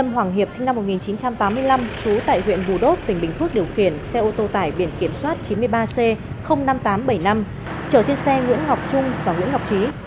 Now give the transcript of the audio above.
hoàng hiệp sinh năm một nghìn chín trăm tám mươi năm trú tại huyện bù đốc tỉnh bình phước điều khiển xe ô tô tải biển kiểm soát chín mươi ba c năm nghìn tám trăm bảy mươi năm chở trên xe nguyễn ngọc trung và nguyễn ngọc trí